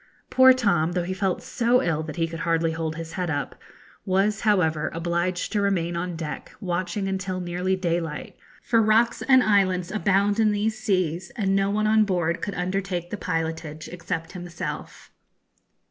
Poor Tom, though he felt so ill that he could hardly hold his head up, was, however, obliged to remain on deck watching until nearly daylight; for rocks and islands abound in these seas, and no one on board could undertake the pilotage except himself.